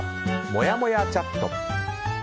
もやもやチャット。